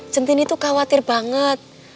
centini tuh khawatir banget